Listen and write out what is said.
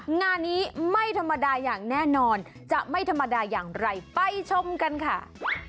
งานนี้ไม่ธรรมดาอย่างแน่นอนจะไม่ธรรมดาอย่างไรไปชมกันค่ะ